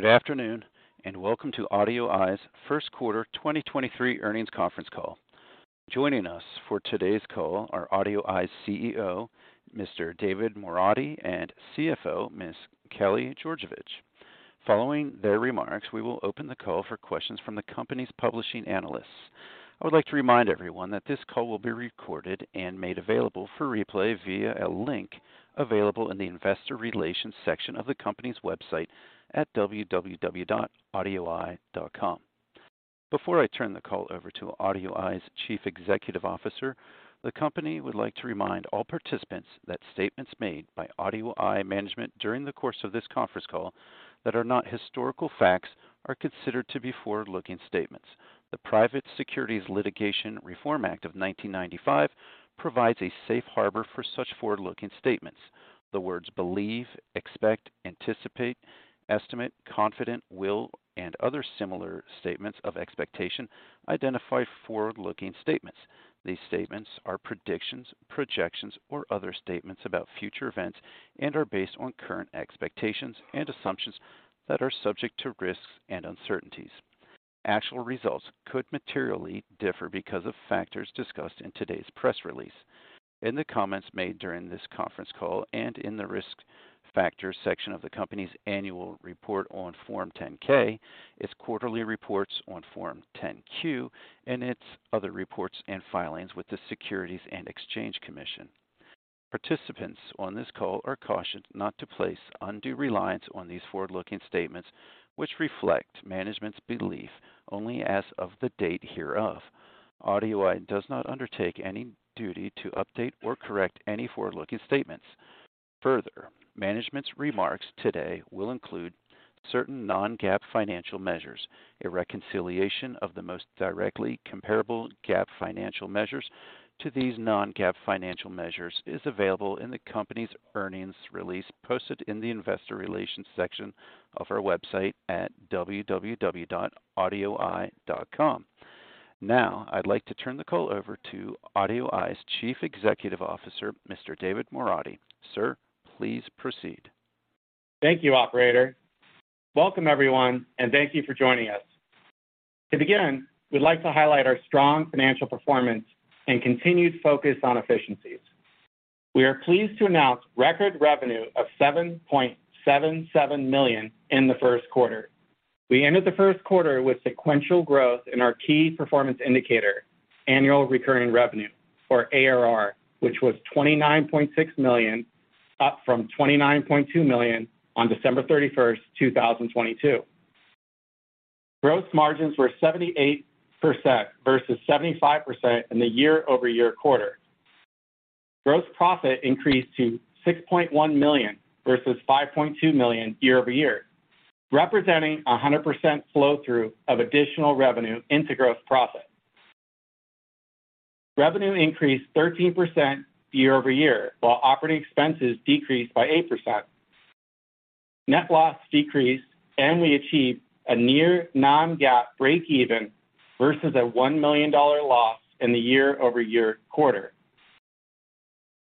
Good afternoon, and welcome to AudioEye's 1st quarter 2023 earnings conference call. Joining us for today's call are AudioEye's CEO, Mr. David Moradi, and CFO, Ms. Kelly Georgevich. Following their remarks, we will open the call for questions from the company's publishing analysts. I would like to remind everyone that this call will be recorded and made available for replay via a link available in the investor relations section of the company's website at www.audioeye.com. Before I turn the call over to AudioEye's Chief Executive Officer, the company would like to remind all participants that statements made by AudioEye management during the course of this conference call that are not historical facts are considered to be forward-looking statements. The Private Securities Litigation Reform Act of 1995 provides a safe harbor for such forward-looking statements. The words believe, expect, anticipate, estimate, confident, will, and other similar statements of expectation identify forward-looking statements. These statements are predictions, projections, or other statements about future events and are based on current expectations and assumptions that are subject to risks and uncertainties. Actual results could materially differ because of factors discussed in today's press release. In the comments made during this conference call and in the Risk Factors section of the company's Annual Report on Form 10-K, its quarterly reports on Form 10-Q, and its other reports and filings with the Securities and Exchange Commission. Participants on this call are cautioned not to place undue reliance on these forward-looking statements, which reflect management's belief only as of the date hereof. AudioEye does not undertake any duty to update or correct any forward-looking statements. Management's remarks today will include certain non-GAAP financial measures. A reconciliation of the most directly comparable GAAP financial measures to these non-GAAP financial measures is available in the company's earnings release posted in the investor relations section of our website at www.audioeye.com. I'd like to turn the call over to AudioEye's Chief Executive Officer, Mr. David Moradi. Sir, please proceed. Thank you, operator. Welcome, everyone, and thank you for joining us. To begin, we'd like to highlight our strong financial performance and continued focus on efficiencies. We are pleased to announce record revenue of $7.77 million in Q1. We ended Q1 with sequential growth in our key performance indicator, annual recurring revenue or ARR, which was $29.6 million, up from $29.2 million on December 31, 2022. Gross margins were 78% versus 75% in the year-over-year quarter. Gross profit increased to $6.1 million versus $5.2 million year-over-year, representing 100% flow-through of additional revenue into gross profit. Revenue increased 13% year-over-year while operating expenses decreased by 8%. Net loss decreased, and we achieved a near non-GAAP breakeven versus a $1 million loss in the year-over-year quarter.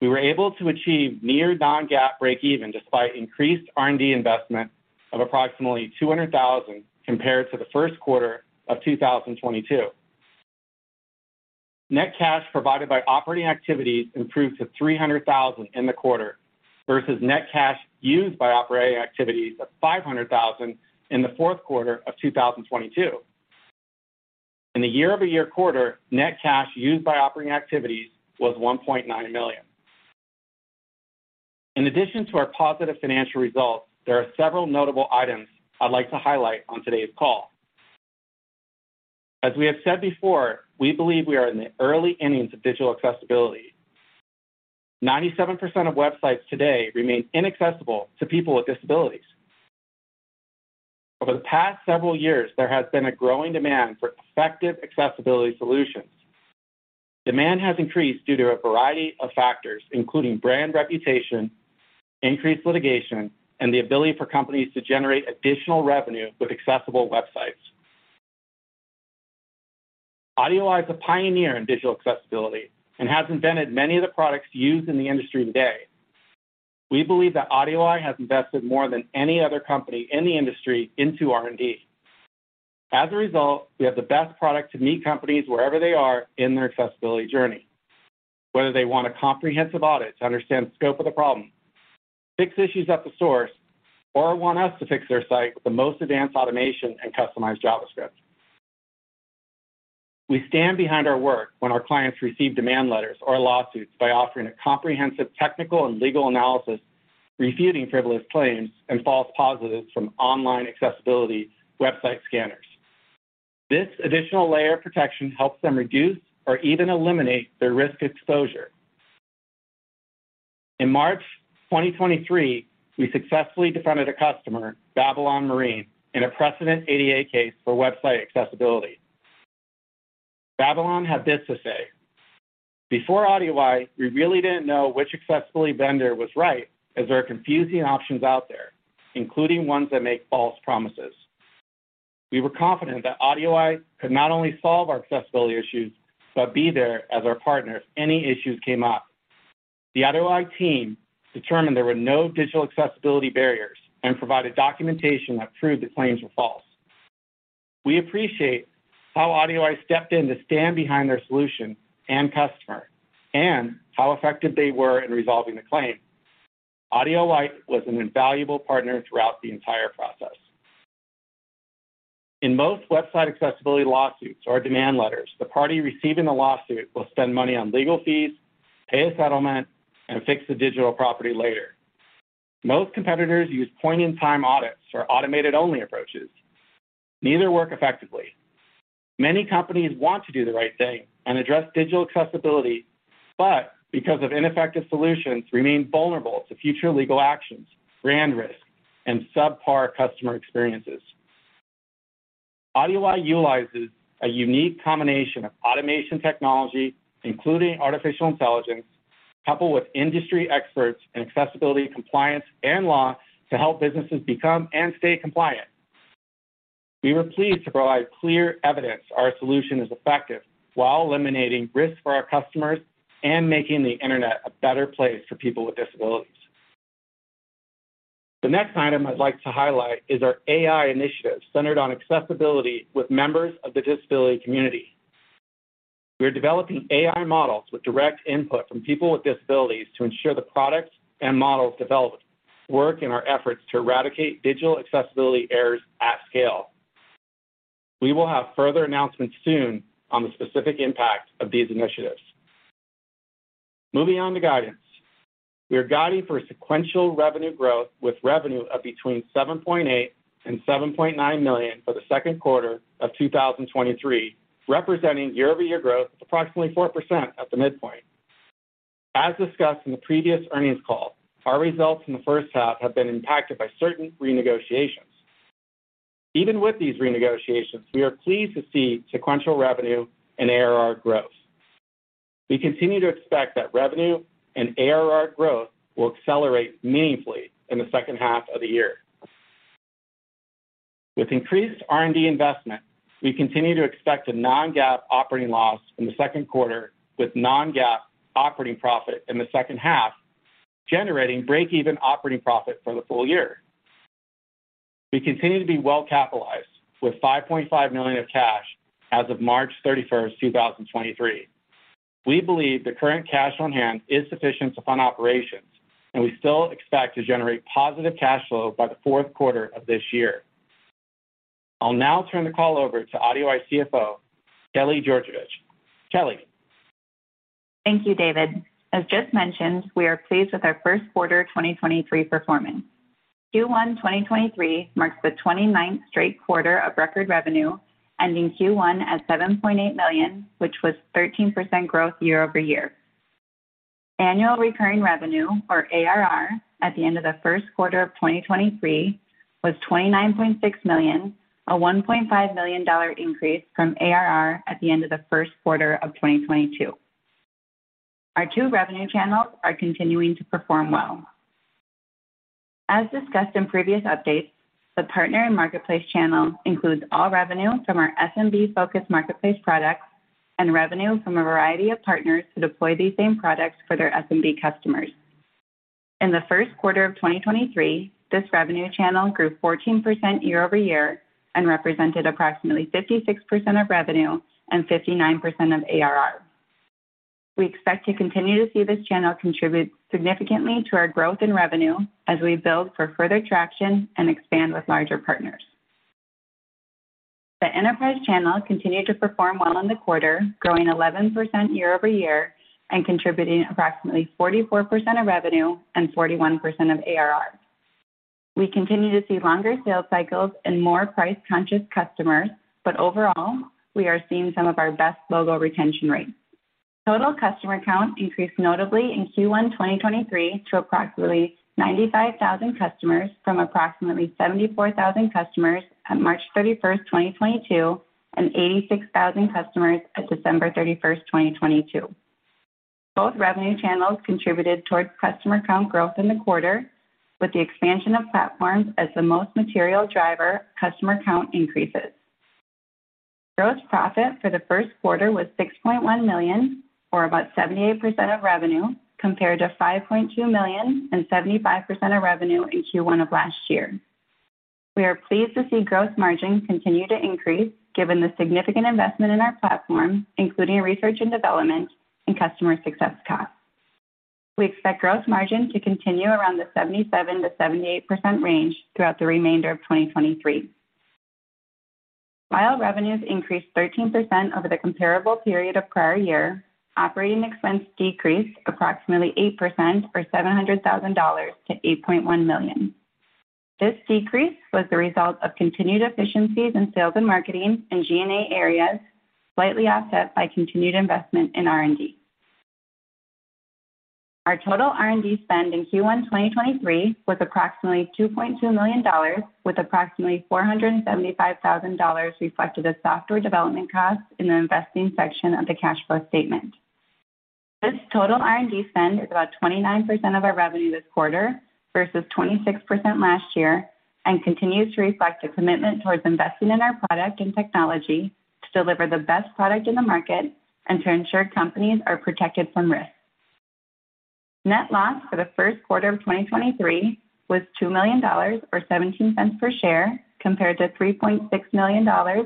We were able to achieve near non-GAAP breakeven despite increased R&D investment of approximately $200,000 compared to Q1 of 2022. Net cash provided by operating activities improved to $300,000 in the quarter versus net cash used by operating activities of $500,000 in the fourth quarter of 2022. In the year-over-year quarter, net cash used by operating activities was $1.9 million. In addition to our positive financial results, there are several notable items I'd like to highlight on today's call. As we have said before, we believe we are in the early innings of digital accessibility. 97% of websites today remain inaccessible to people with disabilities. Over the past several years, there has been a growing demand for effective accessibility solutions. Demand has increased due to a variety of factors, including brand reputation, increased litigation, and the ability for companies to generate additional revenue with accessible websites. AudioEye is a pioneer in digital accessibility and has invented many of the products used in the industry today. We believe that AudioEye has invested more than any other company in the industry into R&D. As a result, we have the best product to meet companies wherever they are in their accessibility journey. Whether they want a comprehensive audit to understand the scope of the problem, fix issues at the source, or want us to fix their site with the most advanced automation and customized JavaScript. We stand behind our work when our clients receive demand letters or lawsuits by offering a comprehensive technical and legal analysis refuting frivolous claims and false positives from online accessibility website scanners. This additional layer of protection helps them reduce or even eliminate their risk exposure. In March 2023, we successfully defended a customer, Babylon Marine, in a precedent ADA case for website accessibility. Babylon had this to say: "Before AudioEye, we really didn't know which accessibility vendor was right as there are confusing options out there, including ones that make false promises. We were confident that AudioEye could not only solve our accessibility issues, but be there as our partner if any issues came up. The AudioEye team determined there were no digital accessibility barriers and provided documentation that proved the claims were false. We appreciate how AudioEye stepped in to stand behind their solution and customer, and how effective they were in resolving the claim. AudioEye was an invaluable partner throughout the entire process. In most website accessibility lawsuits or demand letters, the party receiving the lawsuit will spend money on legal fees, pay a settlement, and fix the digital property later. Most competitors use point-in-time audits or automated-only approaches. Neither work effectively. Many companies want to do the right thing and address digital accessibility, but because of ineffective solutions, remain vulnerable to future legal actions, brand risk, and subpar customer experiences. AudioEye utilizes a unique combination of automation technology, including artificial intelligence, coupled with industry experts in accessibility, compliance, and law to help businesses become and stay compliant. We were pleased to provide clear evidence our solution is effective while eliminating risk for our customers and making the internet a better place for people with disabilities. The next item I'd like to highlight is our AI initiative centered on accessibility with members of the disability community. We are developing AI models with direct input from people with disabilities to ensure the products and models developed work in our efforts to eradicate digital accessibility errors at scale. We will have further announcements soon on the specific impact of these initiatives. Moving on to guidance. We are guiding for sequential revenue growth with revenue of between $7.8 million and $7.9 million for the second quarter of 2023, representing year-over-year growth of approximately 4% at the midpoint. As discussed in the previous earnings call, our results in the first half have been impacted by certain renegotiations. Even with these renegotiations, we are pleased to see sequential revenue and ARR growth. We continue to expect that revenue and ARR growth will accelerate meaningfully in the second half of the year. With increased R&D investment, we continue to expect a non-GAAP operating loss in the second quarter, with non-GAAP operating profit in the second half, generating break-even operating profit for the full year. We continue to be well-capitalized, with $5.5 million of cash as of March 31st, 2023. We believe the current cash on hand is sufficient to fund operations, and we still expect to generate positive cash flow by the fourth quarter of this year. I'll now turn the call over to AudioEye CFO, Kelly Georgevich. Kelly. Thank you, David. As just mentioned, we are pleased with our Q1 2023 performance. Q1 2023 marks the 29th straight quarter of record revenue, ending Q1 at $7.8 million, which was 13% growth year-over-year. Annual recurring revenue, or ARR, at the end of Q1 of 2023 was $29.6 million, a $1.5 million increase from ARR at the end of Q1 of 2022. Our two revenue channels are continuing to perform well. As discussed in previous updates, the partner and marketplace channel includes all revenue from our SMB-focused marketplace products and revenue from a variety of partners who deploy these same products for their SMB customers. In Q1 of 2023, this revenue channel grew 14% year-over-year and represented approximately 56% of revenue and 59% of ARR. We expect to continue to see this channel contribute significantly to our growth in revenue as we build for further traction and expand with larger partners. The enterprise channel continued to perform well in the quarter, growing 11% year-over-year and contributing approximately 44% of revenue and 41% of ARR. We continue to see longer sales cycles and more price-conscious customers, but overall, we are seeing some of our best logo retention rates. Total customer count increased notably in Q1 2023 to approximately 95,000 customers from approximately 74,000 customers at March 31st, 2022, and 86,000 customers at December 31st, 2022. Both revenue channels contributed towards customer count growth in the quarter, with the expansion of platforms as the most material driver customer count increases. Gross profit for Q1 was $6.1 million, or about 78% of revenue, compared to $5.2 million and 75% of revenue in Q1 of last year. We are pleased to see gross margin continue to increase given the significant investment in our platform, including research and development and customer success costs. We expect gross margin to continue around the 77%-78% range throughout the remainder of 2023. While revenues increased 13% over the comparable period of prior year, operating expense decreased approximately 8% or $700,000 to $8.1 million. This decrease was the result of continued efficiencies in sales and marketing and G&A areas, slightly offset by continued investment in R&D. Our total R&D spend in Q1 2023 was approximately $2.2 million, with approximately $475,000 reflected as software development costs in the investing section of the cash flow statement. This total R&D spend is about 29% of our revenue this quarter versus 26% last year, continues to reflect a commitment towards investing in our product and technology to deliver the best product in the market and to ensure companies are protected from risk. Net loss for Q1 of 2023 was $2 million or $0.17 per share, compared to $3.6 million or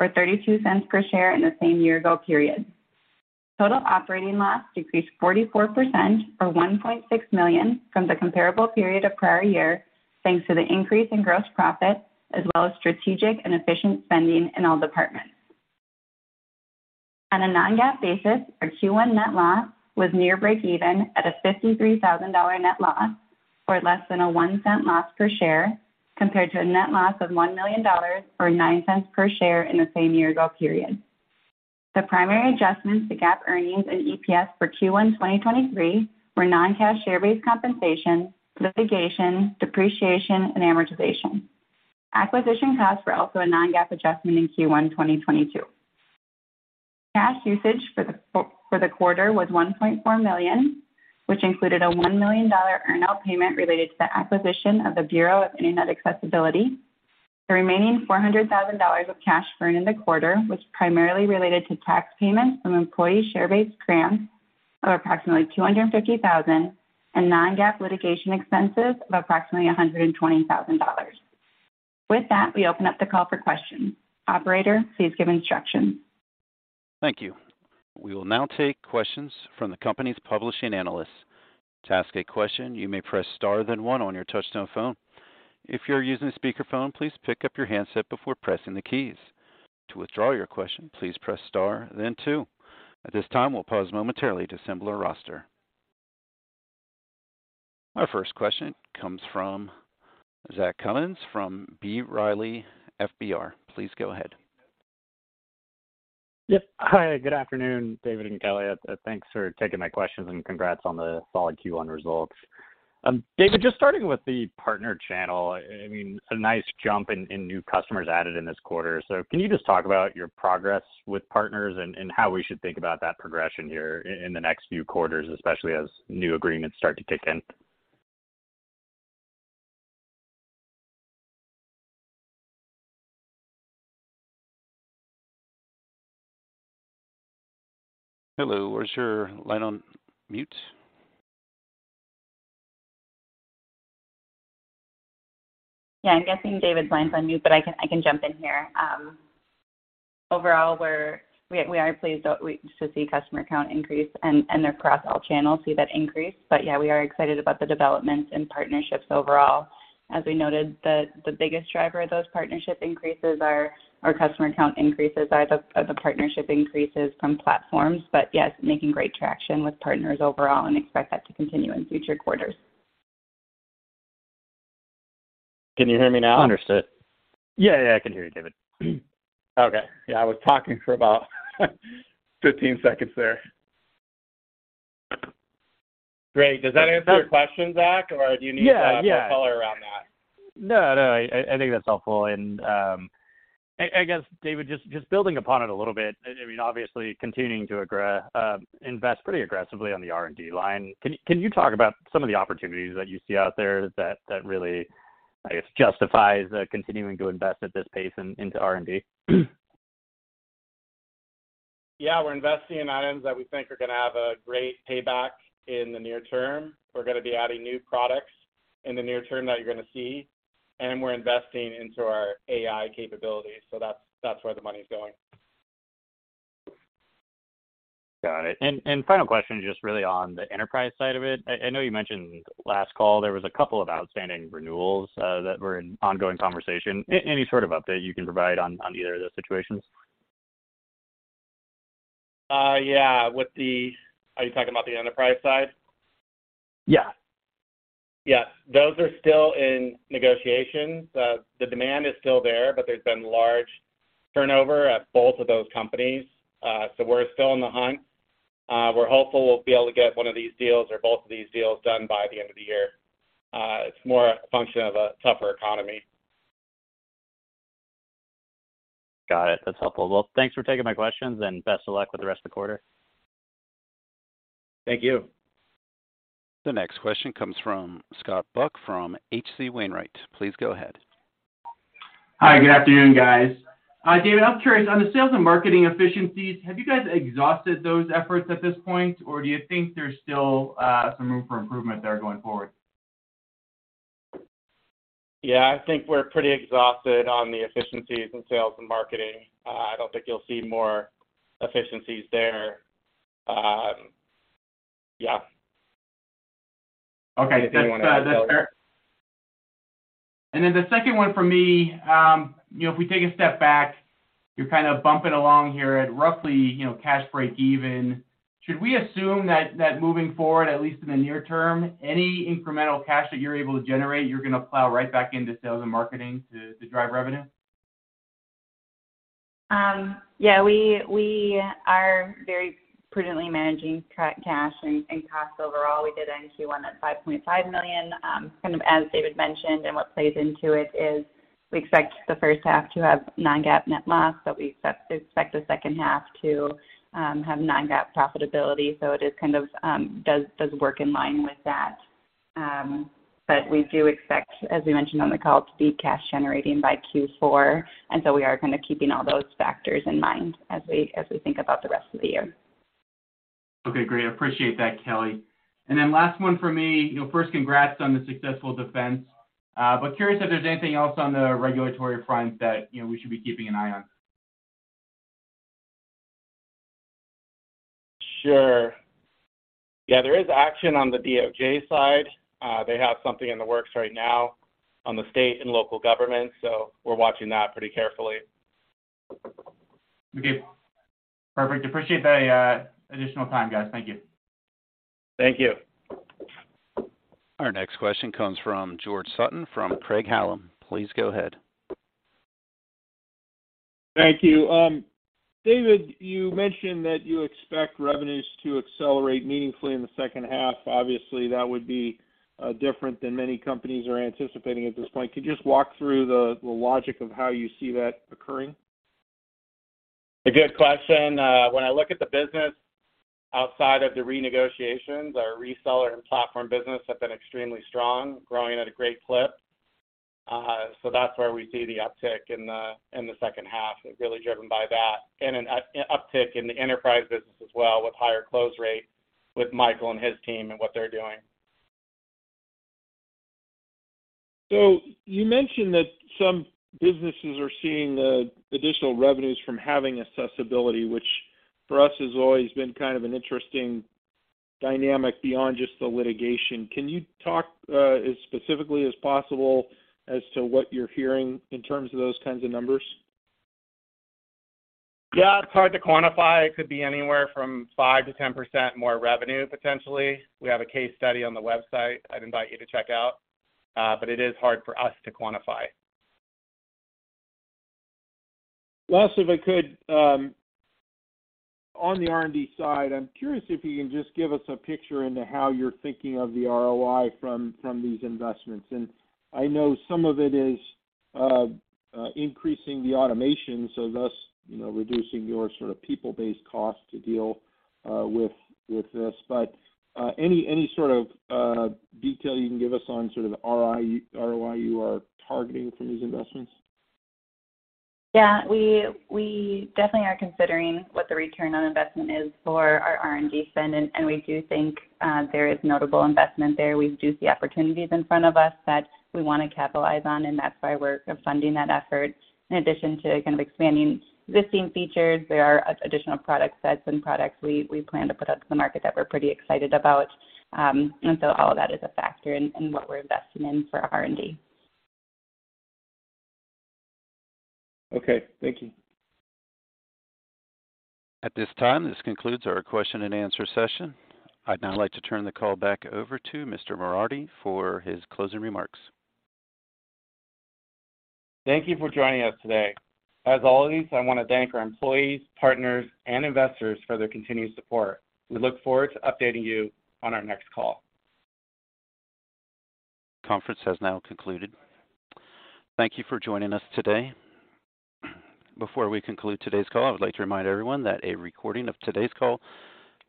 $0.32 per share in the same year ago period. Total operating loss decreased 44% or $1.6 million from the comparable period of prior year, thanks to the increase in gross profit as well as strategic and efficient spending in all departments. On a non-GAAP basis, our Q1 net loss was near breakeven at a $53,000 net loss, or less than a $0.01 loss per share, compared to a net loss of $1 million or $0.09 per share in the same year ago period. The primary adjustments to GAAP earnings and EPS for Q1 2023 were non-cash share-based compensation, litigation, depreciation, and amortization. Acquisition costs were also a non-GAAP adjustment in Q1 2022. Cash usage for the quarter was $1.4 million, which included a $1 million earnout payment related to the acquisition of the Bureau of Internet Accessibility. The remaining $400,000 of cash burn in the quarter was primarily related to tax payments from employee share-based grants of approximately $250,000 and non-GAAP litigation expenses of approximately $120,000. With that, we open up the call for questions. Operator, please give instructions. Thank you. We will now take questions from the company's publishing analysts. To ask a question, you may press star then one on your touchtone phone. If you're using a speakerphone, please pick up your handset before pressing the keys. To withdraw your question, please press star then two. At this time, we'll pause momentarily to assemble our roster. Our first question comes from Zach Cummins from B. Riley Securities. Please go ahead. Yep. Hi, good afternoon, David and Kelly. Thanks for taking my questions. Congrats on the solid Q1 results. David, just starting with the partner channel, I mean, a nice jump in new customers added in this quarter. Can you just talk about your progress with partners and how we should think about that progression here in the next few quarters, especially as new agreements start to kick in? Hello, was your line on mute? I'm guessing David's line's on mute, but I can, I can jump in here. Overall we are pleased to see customer count increase and across all channels see that increase. We are excited about the developments and partnerships overall. As we noted, the biggest driver of those partnership increases are our customer count increases are the partnership increases from platforms. Yes, making great traction with partners overall and expect that to continue in future quarters. Can you hear me now? Understood. Yeah. Yeah, I can hear you, David. Okay. Yeah, I was talking for about 15 seconds there. Great. Does that answer your question, Zach, or do you need- Yeah. Yeah. more color around that? No, I think that's helpful. I guess, David, just building upon it a little bit, I mean, obviously continuing to invest pretty aggressively on the R&D line. Can you talk about some of the opportunities that you see out there that really, I guess, justifies, continuing to invest at this pace into R&D? We're investing in items that we think are gonna have a great payback in the near term. We're gonna be adding new products in the near term that you're gonna see, and we're investing into our AI capabilities. That's where the money's going. Got it. Final question, just really on the enterprise side of it. I know you mentioned last call there was a couple of outstanding renewals, that were in ongoing conversation. Any sort of update you can provide on either of those situations? Are you talking about the enterprise side? Yeah. Those are still in negotiations. The demand is still there, but there's been large turnover at both of those companies. We're still in the hunt. We're hopeful we'll be able to get one of these deals or both of these deals done by the end of the year. It's more a function of a tougher economy. Got it. That's helpful. Well, thanks for taking my questions, and best of luck with the rest of the quarter. Thank you. The next question comes from Scott Buck from H.C. Wainwright. Please go ahead. Hi. Good afternoon, guys. David, I'm curious, on the sales and marketing efficiencies, have you guys exhausted those efforts at this point, or do you think there's still some room for improvement there going forward? I think we're pretty exhausted on the efficiencies in sales and marketing. I don't think you'll see more efficiencies there. Okay. That's, If you wanna, Kelly? That's fair. The second one for me, you know, if we take a step back, you're kind of bumping along here at roughly, you know, cash break even. Should we assume that moving forward, at least in the near term, any incremental cash that you're able to generate, you're gonna plow right back into sales and marketing to drive revenue? We are very prudently managing cash and costs overall. We did end Q1 at $5.5 million, kind of as David mentioned, what plays into it isWe expect the first half to have non-GAAP net loss, but we expect the second half to have non-GAAP profitability. It is kind of does work in line with that. We do expect, as we mentioned on the call, to be cash generating by Q4. We are kinda keeping all those factors in mind as we, as we think about the rest of the year. Okay, great. Appreciate that, Kelly. Last one from me. You know, first congrats on the successful defense. Curious if there's anything else on the regulatory front that, you know, we should be keeping an eye on? Sure. Yeah, there is action on the DOJ side. They have something in the works right now on the state and local government. We're watching that pretty carefully. Okay, perfect. Appreciate the additional time, guys. Thank you. Thank you. Our next question comes from George Sutton from Craig-Hallum. Please go ahead. Thank you. David, you mentioned that you expect revenues to accelerate meaningfully in the second half. Obviously, that would be different than many companies are anticipating at this point. Could you just walk through the logic of how you see that occurring? A good question. When I look at the business outside of the renegotiations, our reseller and platform business have been extremely strong, growing at a great clip. That's where we see the uptick in the second half, really driven by that. An uptick in the enterprise business as well with higher close rates with Michael and his team and what they're doing. You mentioned that some businesses are seeing additional revenues from having accessibility, which for us has always been kind of an interesting dynamic beyond just the litigation. Can you talk as specifically as possible as to what you're hearing in terms of those kinds of numbers? It's hard to quantify. It could be anywhere from 5%-10% more revenue, potentially. We have a case study on the website I'd invite you to check out. It is hard for us to quantify. Last, if I could, on the R&D side, I'm curious if you can just give us a picture into how you're thinking of the ROI from these investments. I know some of it is increasing the automation, so thus, you know, reducing your sort of people-based cost to deal with this. Any sort of detail you can give us on sort of the ROI you are targeting from these investments? We definitely are considering what the return on investment is for our R&D spend, and we do think there is notable investment there. We do see opportunities in front of us that we wanna capitalize on, and that's why we're funding that effort. In addition to kind of expanding existing features, there are additional product sets and products we plan to put out to the market that we're pretty excited about. All of that is a factor in what we're investing in for R&D. Okay. Thank you. At this time, this concludes our question and answer session. I'd now like to turn the call back over to Mr. Moradi for his closing remarks. Thank you for joining us today. As always, I wanna thank our employees, partners, and investors for their continued support. We look forward to updating you on our next call. Conference has now concluded. Thank you for joining us today. Before we conclude today's call, I would like to remind everyone that a recording of today's call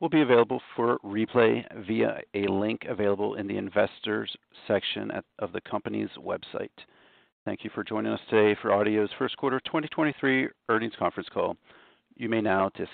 will be available for replay via a link available in the investors section of the company's website. Thank you for joining us today for AudioEye's Q1 2023 earnings conference call. You may now disconnect.